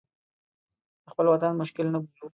د خپل وطن مشکل نه بولو.